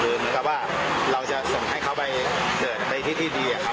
เหมือนกับว่าเราจะส่งให้เขาไปเกิดในที่ที่ดีอะครับ